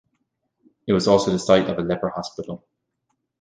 It was also the site of a leper hospital.